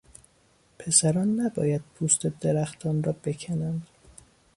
پسران نباید پوست درختان را بکنند.